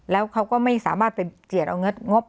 แล้วเขาก็ไม่สามารถไปเจียดเอาเงินงบ